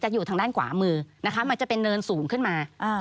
อยู่ทางด้านขวามือนะคะมันจะเป็นเนินสูงขึ้นมา